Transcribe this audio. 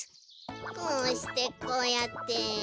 こうしてこうやって。